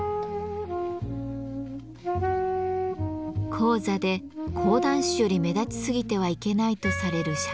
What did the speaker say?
高座で講談師より目立ちすぎてはいけないとされる釈台。